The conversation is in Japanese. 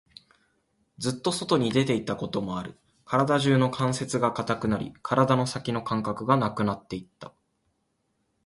ずっと外に出ていたこともある。体中の関節が堅くなり、体の先の感覚がなくなっていた。